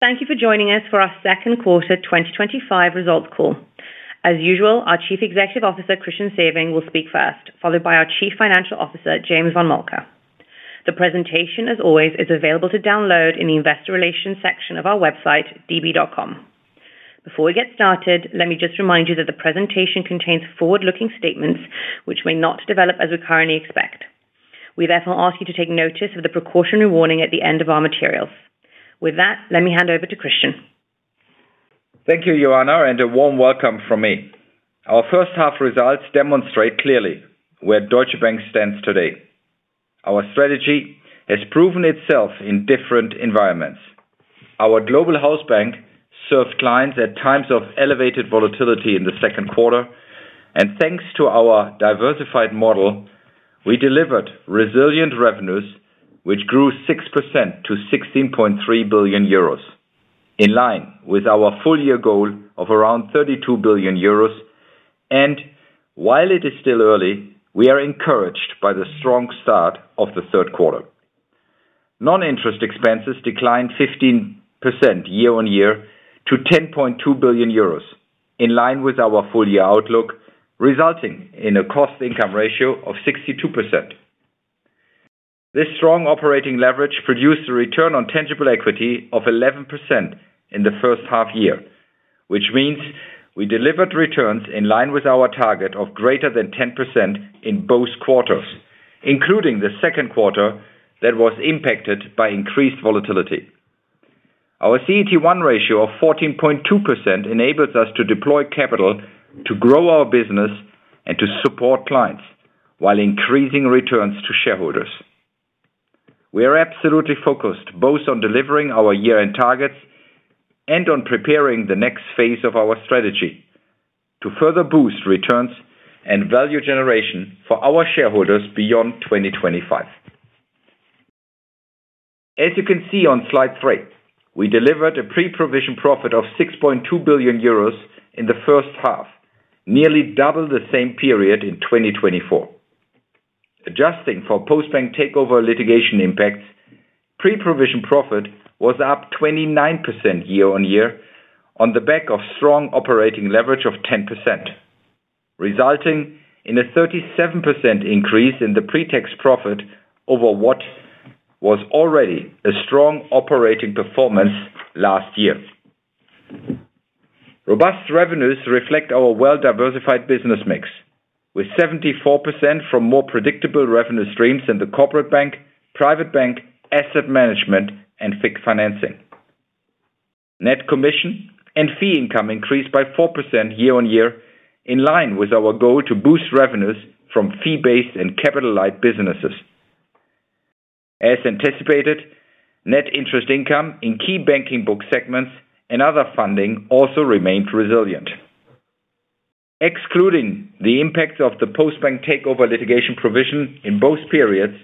Thank you for joining us for our second quarter 2025 results call. As usual, our Chief Executive Officer, Christian Sewing, will speak first, followed by our Chief Financial Officer, James von Moltke. The presentation, as always, is available to download in the Investor Relations section of our website, db.com. Before we get started, let me just remind you that the presentation contains forward-looking statements which may not develop as we currently expect. We therefore ask you to take notice of the precautionary warning at the end of our materials. With that, let me hand over to Christian. Thank you, Yohanna, and a warm welcome from me. Our first half results demonstrate clearly where Deutsche Bank stands today. Our strategy has proven itself in different environments. Our global house bank served clients at times of elevated volatility in the second quarter, and thanks to our diversified model, we delivered resilient revenues which grew 6% to 16.3 billion euros, in line with our full-year goal of around 32 billion euros. While it is still early, we are encouraged by the strong start of the third quarter. Non-interest expenses declined 15% year-on-year to 10.2 billion euros, in line with our full-year outlook, resulting in a cost-to-income ratio of 62%. This strong operating leverage produced a return on tangible equity of 11% in the first half year, which means we delivered returns in line with our target of greater than 10% in both quarters, including the second quarter that was impacted by increased volatility. Our CET1 ratio of 14.2% enables us to deploy capital to grow our business and to support clients while increasing returns to shareholders. We are absolutely focused both on delivering our year-end targets and on preparing the next phase of our strategy to further boost returns and value generation for our shareholders beyond 2025. As you can see on slide three, we delivered a pre-provision profit of 6.2 billion euros in the first half, nearly double the same period in 2024. Adjusting for post-bank takeover litigation impacts, pre-provision profit was up 29% year-on-year on the back of strong operating leverage of 10%, resulting in a 37% increase in the pre-tax profit over what was already a strong operating performance last year. Robust revenues reflect our well-diversified business mix, with 74% from more predictable revenue streams in the corporate bank, private bank, asset management, and fixed financing. Net commission and fee income increased by 4% year-on-year, in line with our goal to boost revenues from fee-based and capital-light businesses. As anticipated, net interest income in key banking book segments and other funding also remained resilient. Excluding the impact of the post-bank takeover litigation provision in both periods,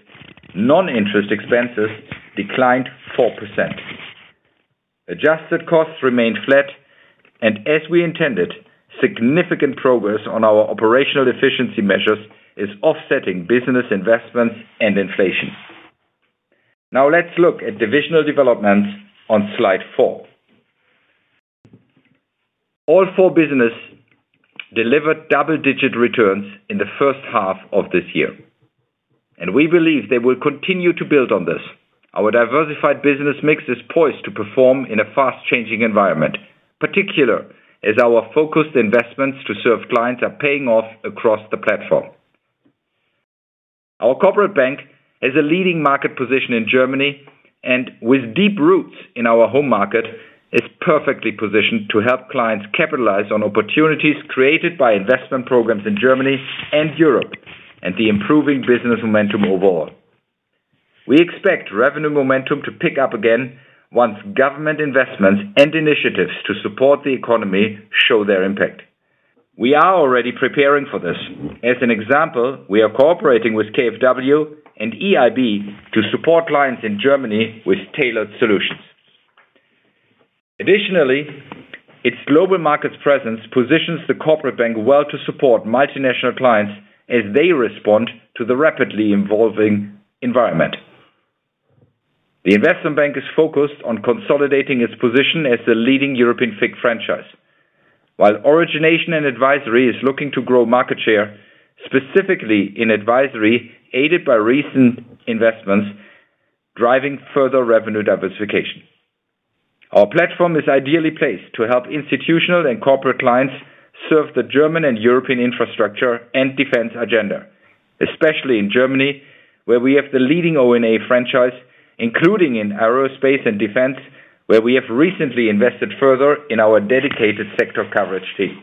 non-interest expenses declined 4%. Adjusted costs remained flat, and as we intended, significant progress on our operational efficiency measures is offsetting business investments and inflation. Now let's look at divisional developments on slide four. All four business delivered double-digit returns in the first half of this year, and we believe they will continue to build on this. Our diversified business mix is poised to perform in a fast-changing environment, particularly as our focused investments to serve clients are paying off across the platform. Our corporate bank has a leading market position in Germany and, with deep roots in our home market, is perfectly positioned to help clients capitalize on opportunities created by investment programs in Germany and Europe and the improving business momentum overall. We expect revenue momentum to pick up again once government investments and initiatives to support the economy show their impact. We are already preparing for this. As an example, we are cooperating with KfW and EIB to support clients in Germany with tailored solutions. Additionally, its global markets presence positions the corporate bank well to support multinational clients as they respond to the rapidly evolving environment. The investment bank is focused on consolidating its position as the leading European fixed franchise, while origination and advisory is looking to grow market share, specifically in advisory aided by recent investments driving further revenue diversification. Our platform is ideally placed to help institutional and corporate clients serve the German and European infrastructure and defense agenda, especially in Germany, where we have the leading O&A franchise, including in aerospace and defense, where we have recently invested further in our dedicated sector coverage team.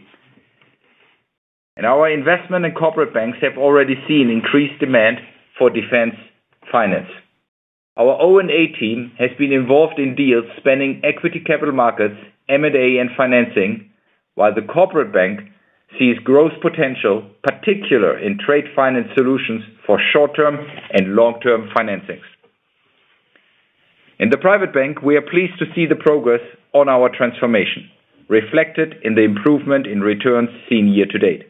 Our investment and corporate banks have already seen increased demand for defense finance. Our O&A team has been involved in deals spanning equity capital markets, M&A, and financing, while the corporate bank sees growth potential, particularly in trade finance solutions for short-term and long-term financings. In the private bank, we are pleased to see the progress on our transformation, reflected in the improvement in returns seen year to date.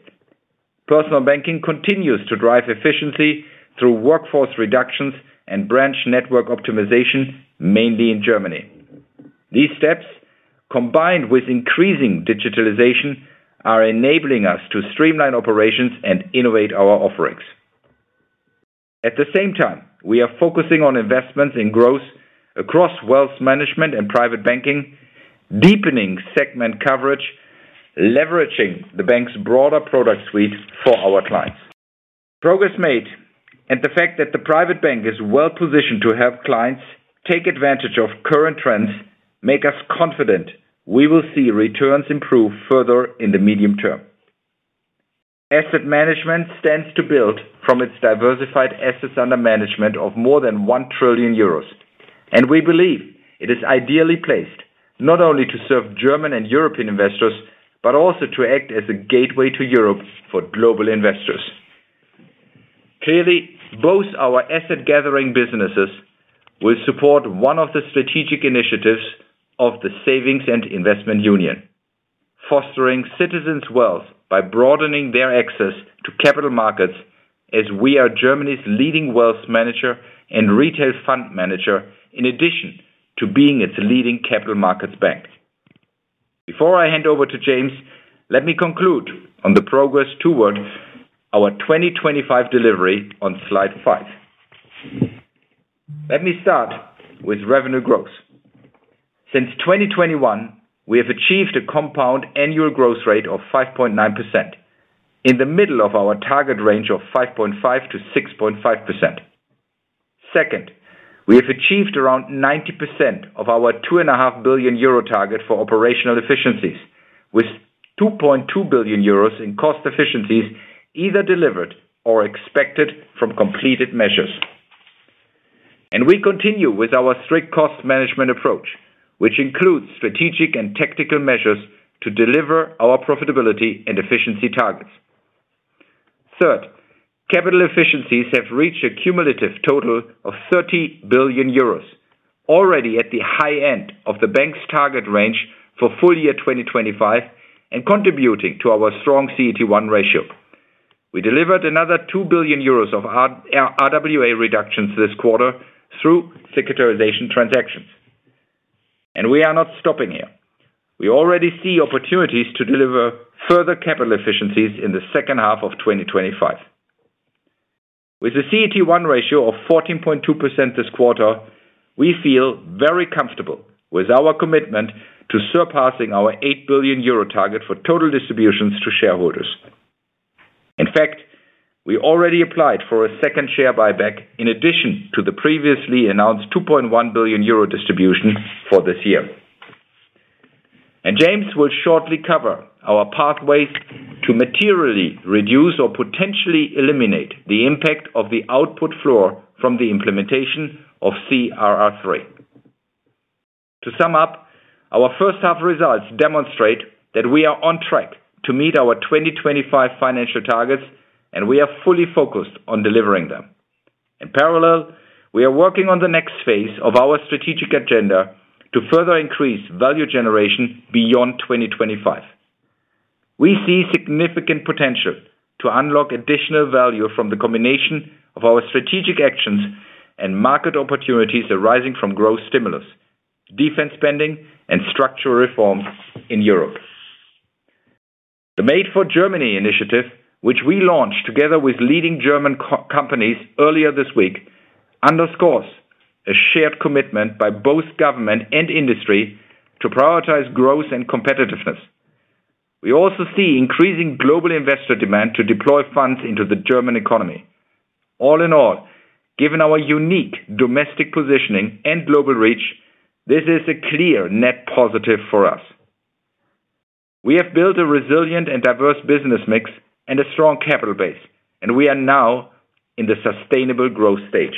Personal banking continues to drive efficiency through workforce reductions and branch network optimization, mainly in Germany. These steps, combined with increasing digitalization, are enabling us to streamline operations and innovate our offerings. At the same time, we are focusing on investments in growth across wealth management and private banking, deepening segment coverage, leveraging the bank's broader product suite for our clients. Progress made, and the fact that the private bank is well-positioned to help clients take advantage of current trends makes us confident we will see returns improve further in the medium term. Asset management stands to build from its diversified assets under management of more than 1 trillion euros, and we believe it is ideally placed not only to serve German and European investors but also to act as a gateway to Europe for global investors. Clearly, both our asset-gathering businesses will support one of the strategic initiatives of the Savings and Investment Union. Fostering citizens' wealth by broadening their access to capital markets, as we are Germany's leading wealth manager and retail fund manager in addition to being its leading capital markets bank. Before I hand over to James, let me conclude on the progress toward our 2025 delivery on slide five. Let me start with revenue growth. Since 2021, we have achieved a compound annual growth rate of 5.9%. In the middle of our target range of 5.5%-6.5%. Second, we have achieved around 90% of our 2.5 billion euro target for operational efficiencies, with 2.2 billion euros in cost efficiencies either delivered or expected from completed measures. We continue with our strict cost management approach, which includes strategic and tactical measures to deliver our profitability and efficiency targets. Third, capital efficiencies have reached a cumulative total of 30 billion euros, already at the high end of the bank's target range for full year 2025 and contributing to our strong CET1 ratio. We delivered another 2 billion euros of RWA reductions this quarter through sectorization transactions. We are not stopping here. We already see opportunities to deliver further capital efficiencies in the second half of 2025. With a CET1 ratio of 14.2% this quarter, we feel very comfortable with our commitment to surpassing our 8 billion euro target for total distributions to shareholders. In fact, we already applied for a second share buyback in addition to the previously announced 2.1 billion euro distribution for this year. James will shortly cover our pathways to materially reduce or potentially eliminate the impact of the output floor from the implementation of CRR3. To sum up, our first half results demonstrate that we are on track to meet our 2025 financial targets, and we are fully focused on delivering them. In parallel, we are working on the next phase of our strategic agenda to further increase value generation beyond 2025. We see significant potential to unlock additional value from the combination of our strategic actions and market opportunities arising from growth stimulus, defense spending, and structural reforms in Europe. The Made for Germany initiative, which we launched together with leading German companies earlier this week, underscores a shared commitment by both government and industry to prioritize growth and competitiveness. We also see increasing global investor demand to deploy funds into the German economy. All in all, given our unique domestic positioning and global reach, this is a clear net positive for us. We have built a resilient and diverse business mix and a strong capital base, and we are now in the sustainable growth stage.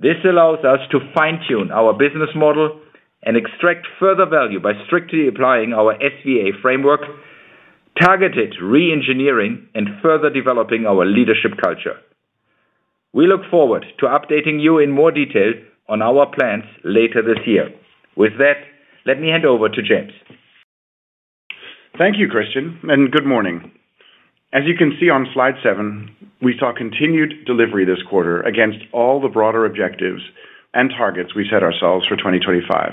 This allows us to fine-tune our business model and extract further value by strictly applying our SVA framework, targeted re-engineering, and further developing our leadership culture. We look forward to updating you in more detail on our plans later this year. With that, let me hand over to James. Thank you, Christian, and good morning. As you can see on slide seven, we saw continued delivery this quarter against all the broader objectives and targets we set ourselves for 2025.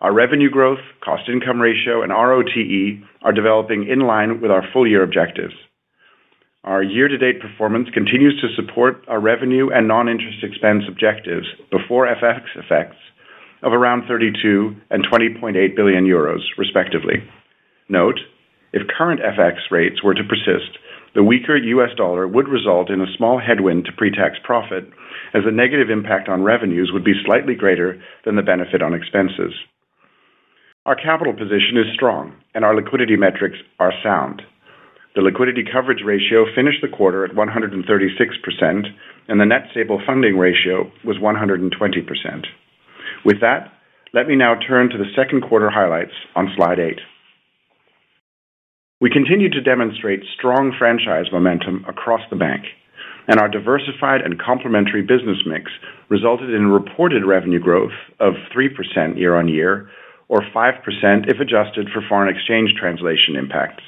Our revenue growth, cost-to-income ratio, and ROTE are developing in line with our full-year objectives. Our year-to-date performance continues to support our revenue and non-interest expense objectives before FX effects of around 32 billion and 20.8 billion euros, respectively. Note: If current FX rates were to persist, the weaker US dollar would result in a small headwind to pre-tax profit, as the negative impact on revenues would be slightly greater than the benefit on expenses. Our capital position is strong, and our liquidity metrics are sound. The liquidity coverage ratio finished the quarter at 136%, and the net stable funding ratio was 120%. With that, let me now turn to the second quarter highlights on slide eight. We continue to demonstrate strong franchise momentum across the bank, and our diversified and complementary business mix resulted in reported revenue growth of 3% year-on-year, or 5% if adjusted for foreign exchange translation impacts.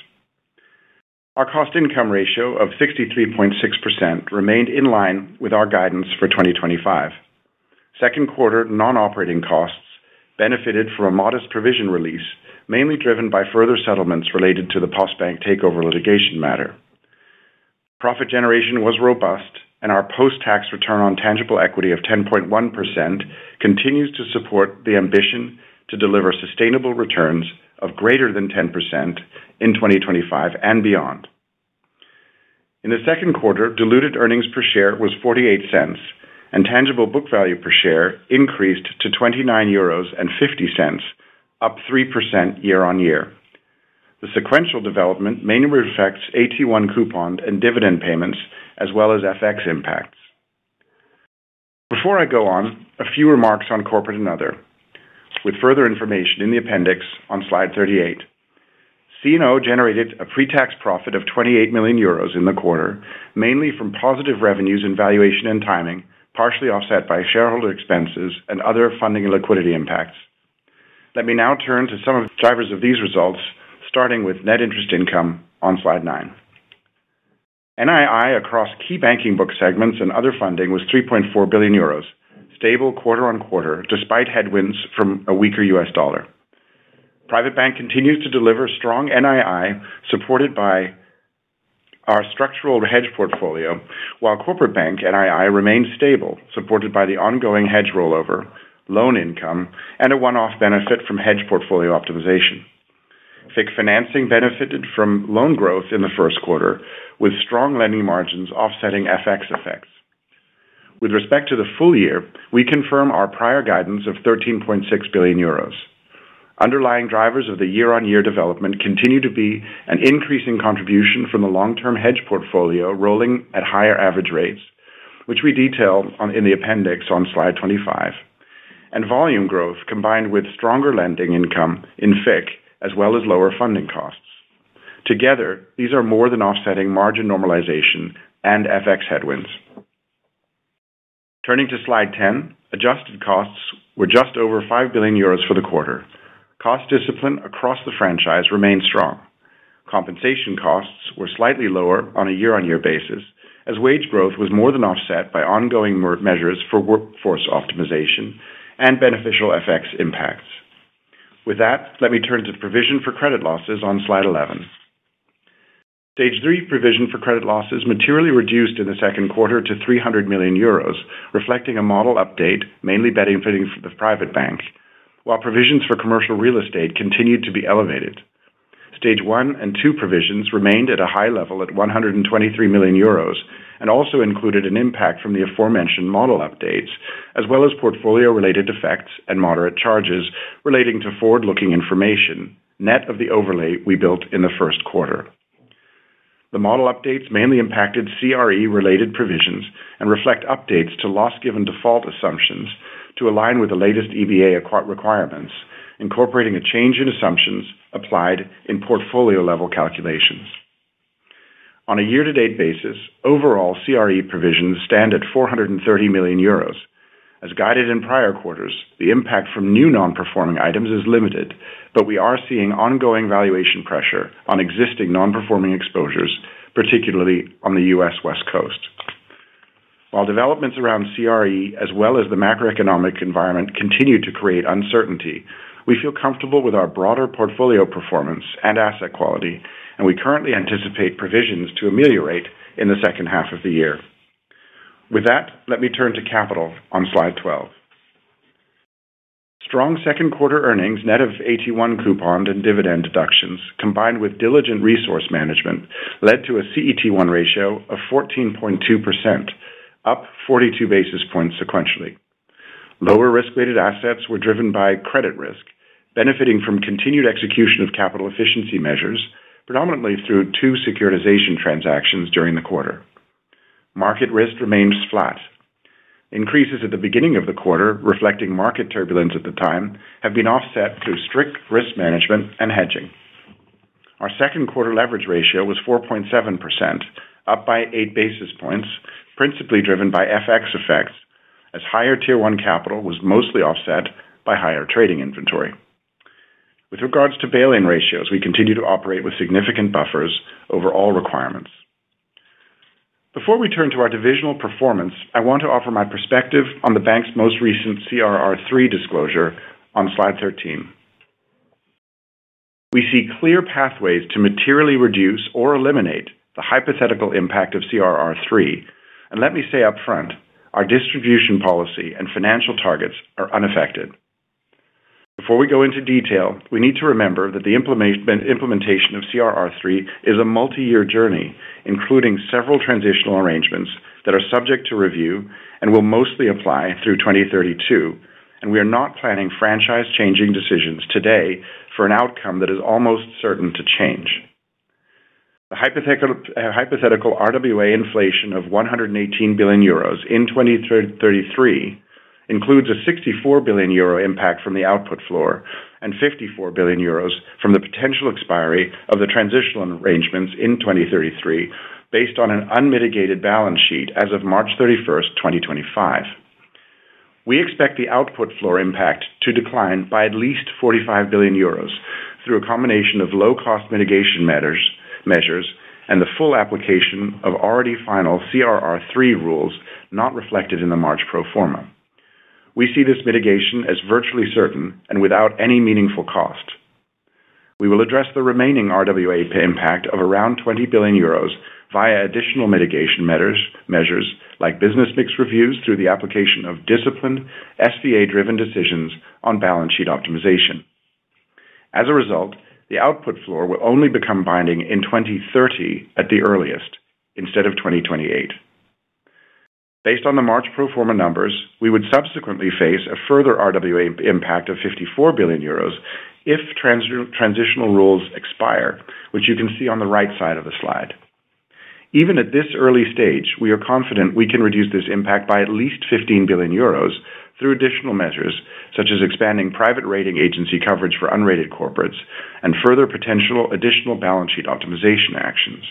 Our cost-to-income ratio of 63.6% remained in line with our guidance for 2025. Second quarter non-operating costs benefited from a modest provision release, mainly driven by further settlements related to the post-bank takeover litigation matter. Profit generation was robust, and our post-tax return on tangible equity of 10.1% continues to support the ambition to deliver sustainable returns of greater than 10% in 2025 and beyond. In the second quarter, diluted earnings per share was 0.48, and tangible book value per share increased to 29.50 euros, up 3% year-on-year. The sequential development mainly reflects AT1 coupon and dividend payments, as well as FX impacts. Before I go on, a few remarks on corporate and other, with further information in the appendix on slide 38. C&O generated a pre-tax profit of 28 million euros in the quarter, mainly from positive revenues in valuation and timing, partially offset by shareholder expenses and other funding and liquidity impacts. Let me now turn to some of the drivers of these results, starting with net interest income on slide nine. NII across key banking book segments and other funding was 3.4 billion euros, stable quarter on quarter despite headwinds from a weaker US dollar. Private bank continues to deliver strong NII supported by our structural hedge portfolio, while corporate bank NII remains stable, supported by the ongoing hedge rollover, loan income, and a one-off benefit from hedge portfolio optimization. FIC financing benefited from loan growth in the first quarter, with strong lending margins offsetting FX effects. With respect to the full year, we confirm our prior guidance of 13.6 billion euros. Underlying drivers of the year-on-year development continue to be an increasing contribution from the long-term hedge portfolio rolling at higher average rates, which we detail in the appendix on slide 25, and volume growth combined with stronger lending income in FIC, as well as lower funding costs. Together, these are more than offsetting margin normalization and FX headwinds. Turning to slide 10, adjusted costs were just over 5 billion euros for the quarter. Cost discipline across the franchise remained strong. Compensation costs were slightly lower on a year-on-year basis, as wage growth was more than offset by ongoing measures for workforce optimization and beneficial FX impacts. With that, let me turn to provision for credit losses on slide 11. Stage three provision for credit losses materially reduced in the second quarter to 300 million euros, reflecting a model update, mainly benefiting the private bank, while provisions for commercial real estate continued to be elevated. Stage one and two provisions remained at a high level at 123 million euros and also included an impact from the aforementioned model updates, as well as portfolio-related effects and moderate charges relating to forward-looking information, net of the overlay we built in the first quarter. The model updates mainly impacted CRE-related provisions and reflect updates to loss-given default assumptions to align with the latest EBA requirements, incorporating a change in assumptions applied in portfolio-level calculations. On a year-to-date basis, overall CRE provisions stand at 430 million euros. As guided in prior quarters, the impact from new non-performing items is limited, but we are seeing ongoing valuation pressure on existing non-performing exposures, particularly on the US West Coast. While developments around CRE, as well as the macroeconomic environment, continue to create uncertainty, we feel comfortable with our broader portfolio performance and asset quality, and we currently anticipate provisions to ameliorate in the second half of the year. With that, let me turn to capital on slide 12. Strong second quarter earnings, net of AT1 coupon and dividend deductions, combined with diligent resource management, led to a CET1 ratio of 14.2%. Up 42 basis points sequentially. Lower risk-weighted assets were driven by credit risk, benefiting from continued execution of capital efficiency measures, predominantly through two securitization transactions during the quarter. Market risk remained flat. Increases at the beginning of the quarter, reflecting market turbulence at the time, have been offset through strict risk management and hedging. Our second quarter leverage ratio was 4.7%, up by 8 basis points, principally driven by FX effects, as higher Tier 1 capital was mostly offset by higher trading inventory. With regards to bail-in ratios, we continue to operate with significant buffers over all requirements. Before we turn to our divisional performance, I want to offer my perspective on the bank's most recent CRR3 disclosure on slide 13. We see clear pathways to materially reduce or eliminate the hypothetical impact of CRR3, and let me say upfront, our distribution policy and financial targets are unaffected. Before we go into detail, we need to remember that the implementation of CRR3 is a multi-year journey, including several transitional arrangements that are subject to review and will mostly apply through 2032, and we are not planning franchise-changing decisions today for an outcome that is almost certain to change. The hypothetical RWA inflation of 118 billion euros in 2033. Includes a 64 billion euro impact from the output floor and 54 billion euros from the potential expiry of the transitional arrangements in 2033, based on an unmitigated balance sheet as of March 31st, 2025. We expect the output floor impact to decline by at least 45 billion euros through a combination of low-cost mitigation measures and the full application of already final CRR3 rules not reflected in the March pro forma. We see this mitigation as virtually certain and without any meaningful cost. We will address the remaining RWA impact of around 20 billion euros via additional mitigation measures like business mix reviews through the application of disciplined, SVA-driven decisions on balance sheet optimization. As a result, the output floor will only become binding in 2030 at the earliest, instead of 2028. Based on the March pro forma numbers, we would subsequently face a further RWA impact of 54 billion euros if transitional rules expire, which you can see on the right side of the slide. Even at this early stage, we are confident we can reduce this impact by at least 15 billion euros through additional measures, such as expanding private rating agency coverage for unrated corporates and further potential additional balance sheet optimization actions.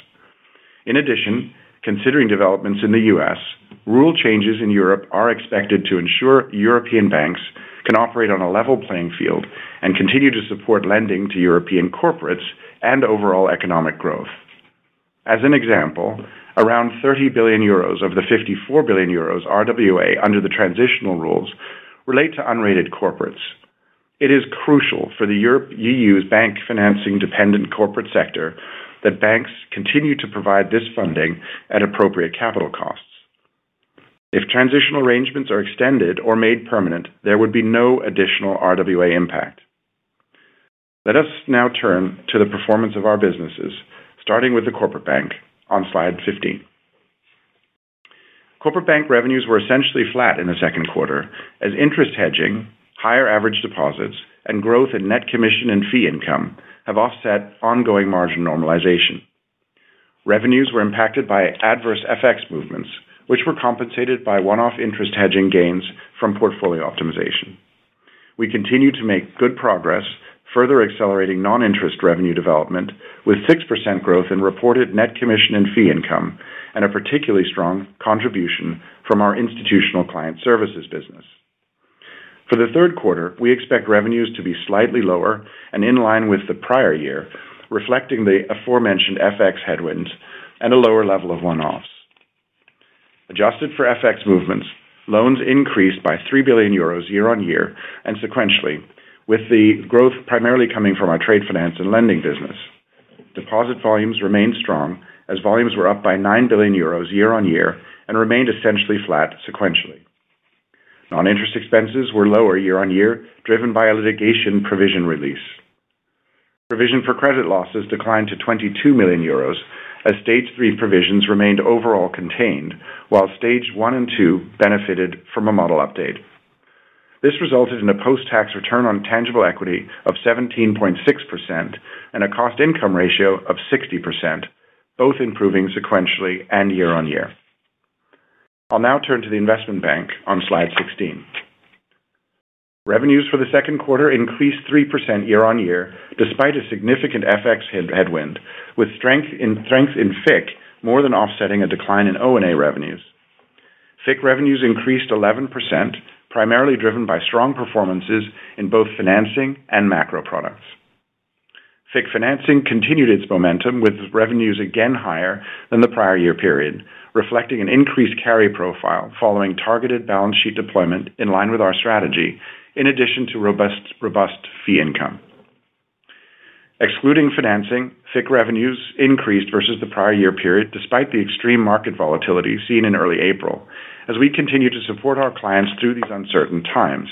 In addition, considering developments in the U.S., rule changes in Europe are expected to ensure European banks can operate on a level playing field and continue to support lending to European corporates and overall economic growth. As an example, around 30 billion euros of the 54 billion euros RWA under the transitional rules relate to unrated corporates. It is crucial for the EU's bank financing-dependent corporate sector that banks continue to provide this funding at appropriate capital costs. If transitional arrangements are extended or made permanent, there would be no additional RWA impact. Let us now turn to the performance of our businesses, starting with the corporate bank on slide 15. Corporate bank revenues were essentially flat in the second quarter, as interest hedging, higher average deposits, and growth in net commission and fee income have offset ongoing margin normalization. Revenues were impacted by adverse FX movements, which were compensated by one-off interest hedging gains from portfolio optimization. We continue to make good progress, further accelerating non-interest revenue development with 6% growth in reported net commission and fee income and a particularly strong contribution from our institutional client services business. For the third quarter, we expect revenues to be slightly lower and in line with the prior year, reflecting the aforementioned FX headwinds and a lower level of one-offs. Adjusted for FX movements, loans increased by 3 billion euros year-on-year and sequentially, with the growth primarily coming from our trade finance and lending business. Deposit volumes remained strong, as volumes were up by 9 billion euros year-on-year and remained essentially flat sequentially. Non-interest expenses were lower year-on-year, driven by a litigation provision release. Provision for credit losses declined to 22 million euros, as stage three provisions remained overall contained, while stage one and two benefited from a model update. This resulted in a post-tax return on tangible equity of 17.6% and a cost-to-income ratio of 60%, both improving sequentially and year-on-year. I'll now turn to the investment bank on slide 16. Revenues for the second quarter increased 3% year-on-year, despite a significant FX headwind, with strength in FIC more than offsetting a decline in O&A revenues. FIC revenues increased 11%, primarily driven by strong performances in both financing and macro products. FIC financing continued its momentum, with revenues again higher than the prior year period, reflecting an increased carry profile following targeted balance sheet deployment in line with our strategy, in addition to robust fee income. Excluding financing, FIC revenues increased versus the prior year period, despite the extreme market volatility seen in early April, as we continue to support our clients through these uncertain times,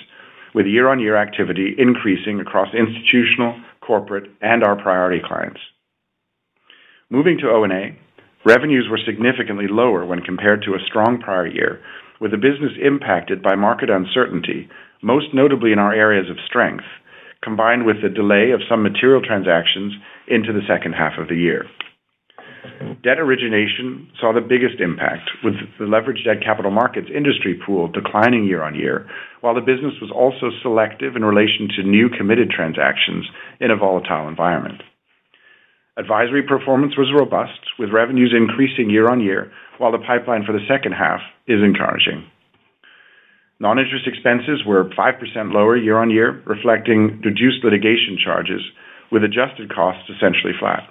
with year-on-year activity increasing across institutional, corporate, and our priority clients. Moving to O&A, revenues were significantly lower when compared to a strong prior year, with the business impacted by market uncertainty, most notably in our areas of strength, combined with the delay of some material transactions into the second half of the year. Debt origination saw the biggest impact, with the leveraged debt capital markets industry pool declining year-on-year, while the business was also selective in relation to new committed transactions in a volatile environment. Advisory performance was robust, with revenues increasing year-on-year, while the pipeline for the second half is encouraging. Non-interest expenses were 5% lower year-on-year, reflecting reduced litigation charges, with adjusted costs essentially flat.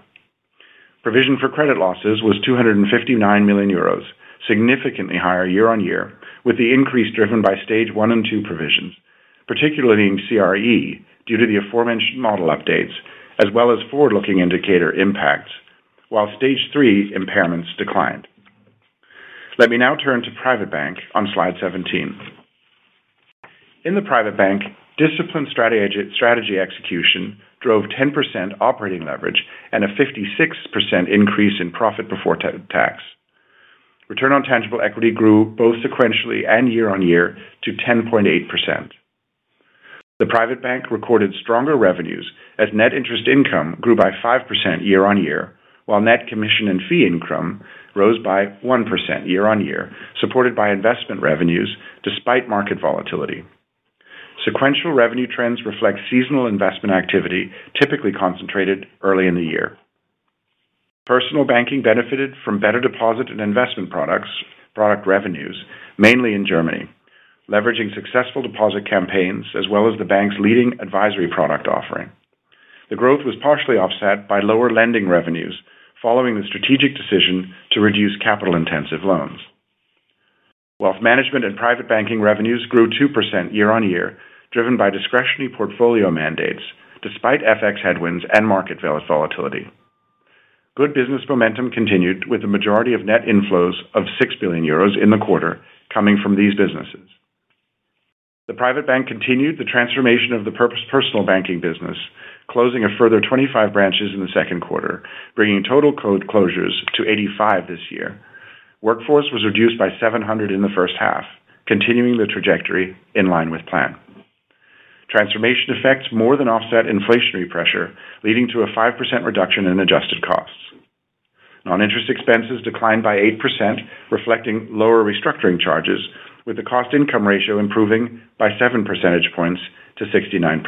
Provision for credit losses was 259 million euros, significantly higher year-on-year, with the increase driven by stage one and two provisions, particularly in CRE due to the aforementioned model updates, as well as forward-looking indicator impacts, while stage three impairments declined. Let me now turn to private bank on slide 17. In the private bank, discipline strategy execution drove 10% operating leverage and a 56% increase in profit before tax. Return on tangible equity grew both sequentially and year-on-year to 10.8%. The private bank recorded stronger revenues as net interest income grew by 5% year-on-year, while net commission and fee income rose by 1% year-on-year, supported by investment revenues despite market volatility. Sequential revenue trends reflect seasonal investment activity, typically concentrated early in the year. Personal banking benefited from better deposit and investment products revenues, mainly in Germany, leveraging successful deposit campaigns as well as the bank's leading advisory product offering. The growth was partially offset by lower lending revenues following the strategic decision to reduce capital-intensive loans. Wealth management and private banking revenues grew 2% year-on-year, driven by discretionary portfolio mandates, despite FX headwinds and market volatility. Good business momentum continued with the majority of net inflows of 6 billion euros in the quarter coming from these businesses. The private bank continued the transformation of the personal banking business, closing a further 25 branches in the second quarter, bringing total closures to 85 this year. Workforce was reduced by 700 in the first half, continuing the trajectory in line with plan. Transformation effects more than offset inflationary pressure, leading to a 5% reduction in adjusted costs. Non-interest expenses declined by 8%, reflecting lower restructuring charges, with the cost-to-income ratio improving by seven percentage points to 69%.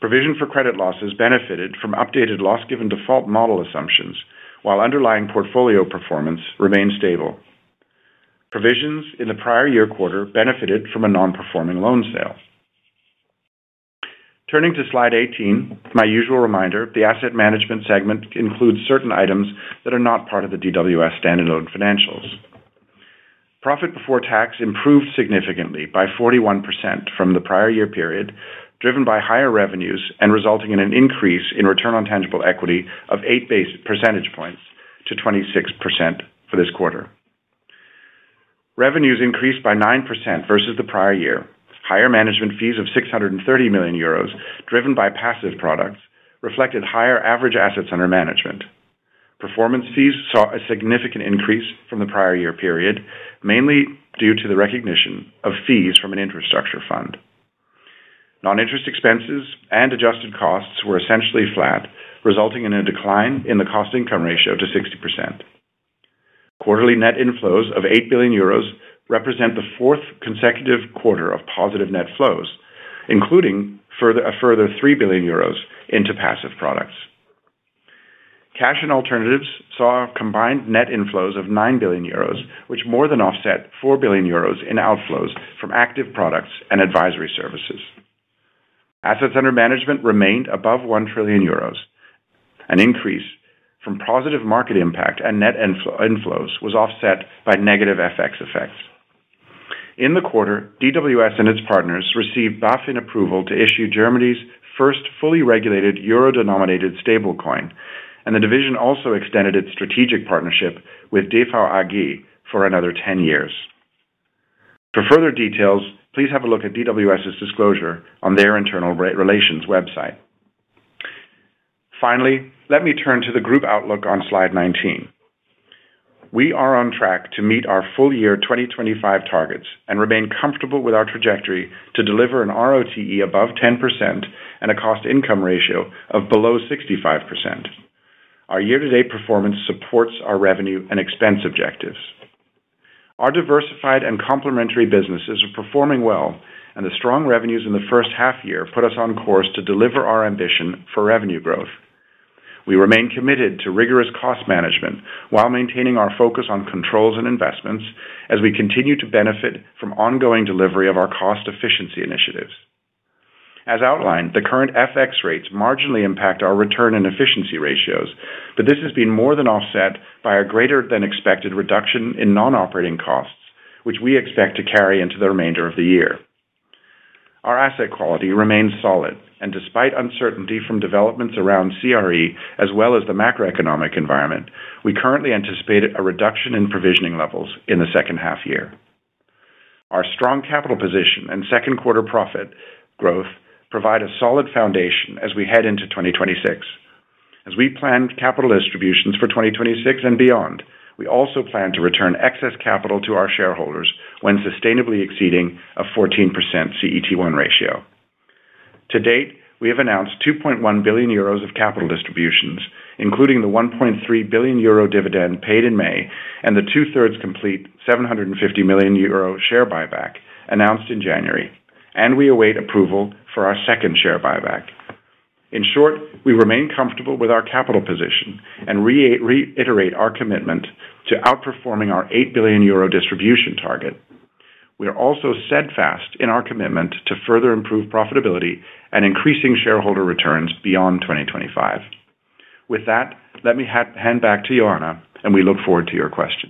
Provision for credit losses benefited from updated loss-given default model assumptions, while underlying portfolio performance remained stable. Provisions in the prior year quarter benefited from a non-performing loan sale. Turning to slide 18, my usual reminder, the asset management segment includes certain items that are not part of the DWS Standard Loan Financials. Profit before tax improved significantly by 41% from the prior year period, driven by higher revenues and resulting in an increase in return on tangible equity of eight percentage points to 26% for this quarter. Revenues increased by 9% versus the prior year. Higher management fees of 630 million euros, driven by passive products, reflected higher average assets under management. Performance fees saw a significant increase from the prior year period, mainly due to the recognition of fees from an infrastructure fund. Non-interest expenses and adjusted costs were essentially flat, resulting in a decline in the cost-to-income ratio to 60%. Quarterly net inflows of 8 billion euros represent the fourth consecutive quarter of positive net flows, including a further 3 billion euros into passive products. Cash and alternatives saw combined net inflows of 9 billion euros, which more than offset 4 billion euros in outflows from active products and advisory services. Assets under management remained above 1 trillion euros. An increase from positive market impact and net inflows was offset by negative FX effects. In the quarter, DWS and its partners received BaFin approval to issue Germany's first fully regulated euro-denominated stablecoin, and the division also extended its strategic partnership with Dufour AG for another 10 years. For further details, please have a look at DWS's disclosure on their internal relations website. Finally, let me turn to the group outlook on slide 19. We are on track to meet our full year 2025 targets and remain comfortable with our trajectory to deliver an ROTE above 10% and a cost-to-income ratio of below 65%. Our year-to-date performance supports our revenue and expense objectives. Our diversified and complementary businesses are performing well, and the strong revenues in the first half year put us on course to deliver our ambition for revenue growth. We remain committed to rigorous cost management while maintaining our focus on controls and investments as we continue to benefit from ongoing delivery of our cost-efficiency initiatives. As outlined, the current FX rates marginally impact our return and efficiency ratios, but this has been more than offset by a greater-than-expected reduction in non-operating costs, which we expect to carry into the remainder of the year. Our asset quality remains solid, and despite uncertainty from developments around CRE as well as the macroeconomic environment, we currently anticipate a reduction in provisioning levels in the second half year. Our strong capital position and second-quarter profit growth provide a solid foundation as we head into 2026. As we plan capital distributions for 2026 and beyond, we also plan to return excess capital to our shareholders when sustainably exceeding a 14% CET1 ratio. To date, we have announced 2.1 billion euros of capital distributions, including the 1.3 billion euro dividend paid in May and the two-thirds complete 750 million euro share buyback announced in January, and we await approval for our second share buyback. In short, we remain comfortable with our capital position and reiterate our commitment to outperforming our 8 billion euro distribution target. We are also steadfast in our commitment to further improve profitability and increasing shareholder returns beyond 2025. With that, let me hand back to Yohanna, and we look forward to your questions.